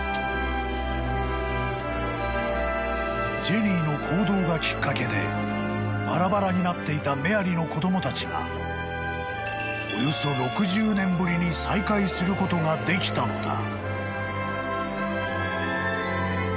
［ジェニーの行動がきっかけでばらばらになっていたメアリの子供たちがおよそ６０年ぶりに再会することができたのだ］